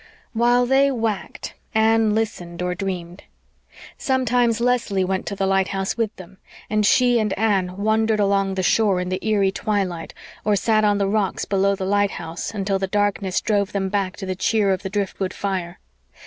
While they "whacked," Anne listened or dreamed. Sometimes Leslie went to the lighthouse with them, and she and Anne wandered along the shore in the eerie twilight, or sat on the rocks below the lighthouse until the darkness drove them back to the cheer of the driftwood fire.